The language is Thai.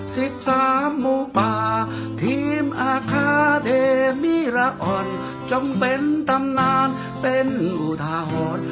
สิบสามหมูป่าทีมอาคาเทมี่ละอ่อนจงเป็นตำนานเป็นอุทาหรณ์